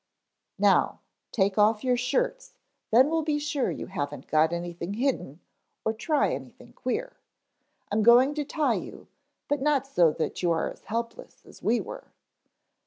"Now, take off your shirts then we'll be sure you haven't got anything hidden or try anything queer. I'm going to tie you, but not so that you are as helpless as we were."